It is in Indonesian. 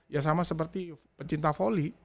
ya sama seperti pencinta volley